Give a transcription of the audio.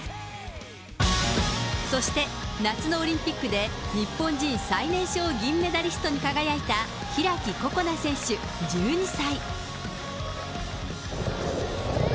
そして、夏のオリンピックで日本人最年少銀メダリストに輝いた開心那選手１２歳。